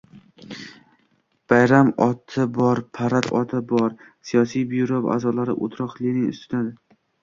Bayram oti bor, parad oti bor — Siyosiy byuro a’zolari o‘rtoq Lenin ustida...